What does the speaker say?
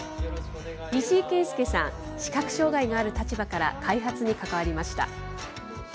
石井健介さん、視覚障害がある立場から、開発に関わりました。